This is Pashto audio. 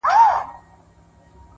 o گوره زما گراني زما د ژوند شاعري،